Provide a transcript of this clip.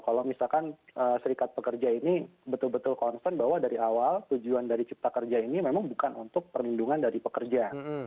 kalau misalkan serikat pekerja ini betul betul concern bahwa dari awal tujuan dari cipta kerja ini memang bukan untuk perlindungan dari pekerja